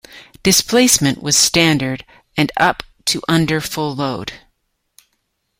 Displacement was standard and up to under full load.